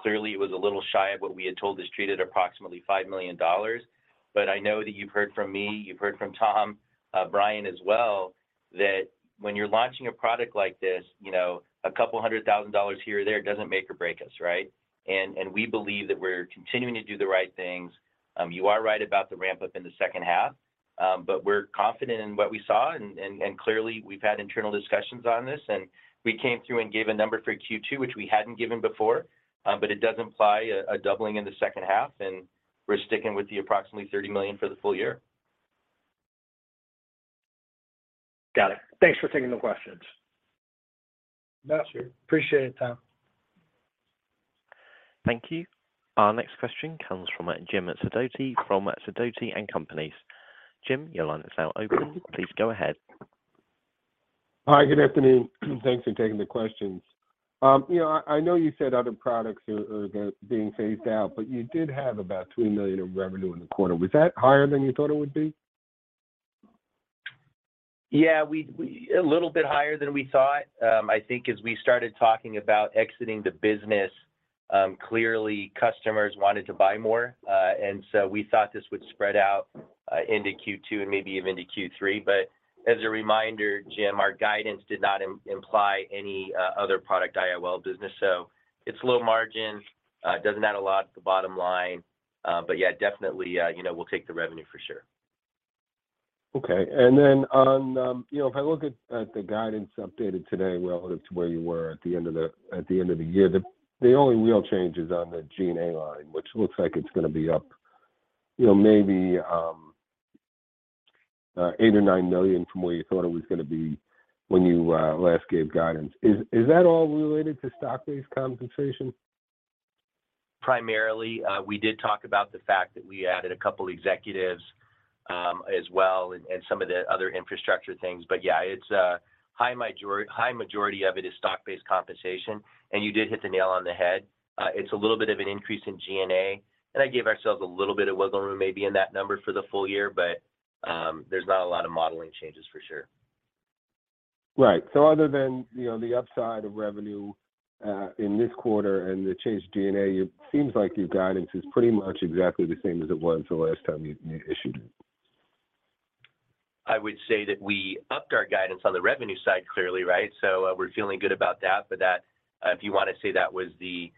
Clearly, it was a little shy of what we had told the Street at approximately $5 million. I know that you've heard from me, you've heard from Tom, Brian as well, that when you're launching a product like this, you know, $200,000 here or there doesn't make or break us, right? We believe that we're continuing to do the right things. You are right about the ramp-up in the second half, but we're confident in what we saw and clearly, we've had internal discussions on this and we came through and gave a number for Q2, which we hadn't given before. It does imply a doubling in the second half, and we're sticking with the approximately $30 million for the full year. Got it. Thanks for taking the questions. Yes, sir. Appreciate it, Tom. Thank you. Our next question comes from James Sidoti from Sidoti & Company. James, your line is now open. Please go ahead. Hi, good afternoon. Thanks for taking the questions. You know, I know you said other products are being phased out, but you did have about $3 million in revenue in the quarter. Was that higher than you thought it would be? Yeah, we a little bit higher than we thought. I think as we started talking about exiting the business, clearly customers wanted to buy more. We thought this would spread out into Q2 and maybe even into Q3. As a reminder, James, our guidance did not imply any other product IOL business. It's low margin. It doesn't add a lot to the bottom line. Yeah, definitely, you know, we'll take the revenue for sure. Okay. Then on, you know, if I look at the guidance updated today relative to where you were at the end of the year, the only real change is on the G&A line, which looks like it's gonna be up, you know, maybe, $8 million or $9 million from where you thought it was gonna be when you last gave guidance. Is that all related to stock-based compensation? Primarily, we did talk about the fact that we added a couple executives as well and some of the other infrastructure things. Yeah, it's a high majority of it is stock-based compensation. You did hit the nail on the head. It's a little bit of an increase in G&A, and I give ourselves a little bit of wiggle room maybe in that number for the full year, but there's not a lot of modeling changes for sure. Right. Other than, you know, the upside of revenue, in this quarter and the change in G&A, it seems like your guidance is pretty much exactly the same as it was the last time you issued it. I would say that we upped our guidance on the revenue side, clearly, right? We're feeling good about that. That, if you wanna say that was the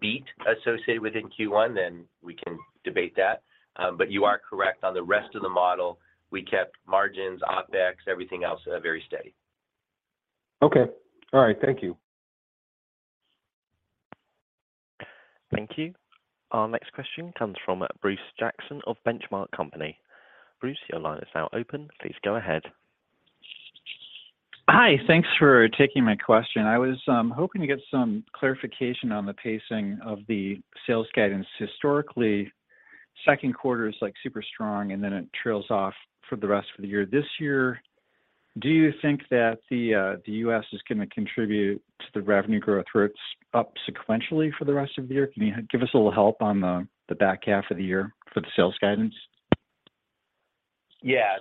beat associated within Q1, then we can debate that. You are correct. On the rest of the model, we kept margins, OpEx, everything else, very steady. Okay. All right. Thank you. Thank you. Our next question comes from Bruce Jackson of The Benchmark Company. Bruce, your line is now open. Please go ahead. Hi. Thanks for taking my question. I was hoping to get some clarification on the pacing of the sales guidance. Historically, second quarter is, like, super strong, and then it trails off for the rest of the year. This year, do you think that the U.S. is gonna contribute to the revenue growth where it's up sequentially for the rest of the year? Can you give us a little help on the back half of the year for the sales guidance? Yeah.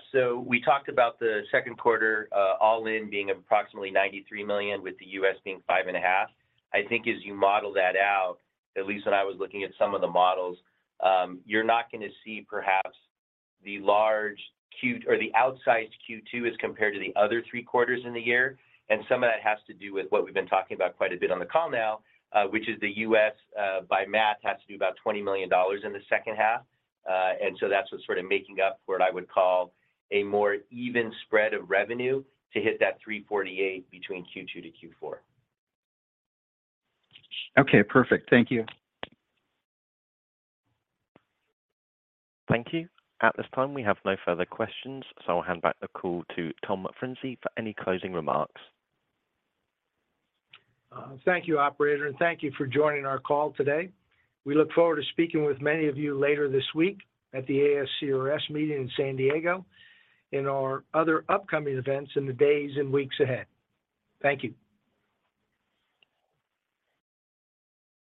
We talked about the second quarter, all in being approximately $93 million, with the U.S. being 5.5. I think as you model that out, at least when I was looking at some of the models, you're not gonna see perhaps the large or the outsized Q2 as compared to the other three quarters in the year. Some of that has to do with what we've been talking about quite a bit on the call now, which is the U.S., by math, has to do about $20 million in the second half. That's what's sort of making up for what I would call a more even spread of revenue to hit that $348 between Q2 to Q4. Okay, perfect. Thank you. Thank you. At this time, we have no further questions. I'll hand back the call to Tom Frinzi for any closing remarks. Thank you, Operator, and thank you for joining our call today. We look forward to speaking with many of you later this week at the ASCRS meeting in San Diego and our other upcoming events in the days and weeks ahead. Thank you.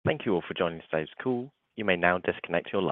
Thank you all for joining today's call. You may now disconnect your line.